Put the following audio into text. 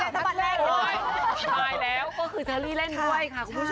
ก็คือเจ้าลี่เล่นด้วย